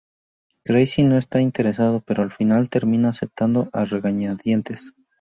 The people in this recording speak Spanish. Creasy no está interesado, pero al final termina aceptando a regañadientes.